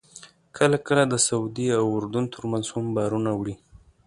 کله کله د سعودي او اردن ترمنځ هم بارونه وړي.